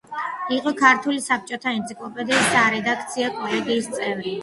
იყო ქართული საბჭოთა ენციკლოპედიის სარედაქციო კოლეგიის წევრი.